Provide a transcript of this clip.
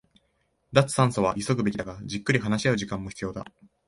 脱炭素化は急ぐべきだが、じっくり話し合う時間も必要だ